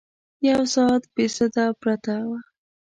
یو ساعت بې سده پرته وه.